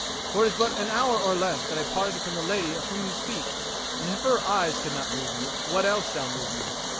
For it is but an hour or less that I parted from the lady of whom you speak; and if her eyes could not move me, what else shall move me?"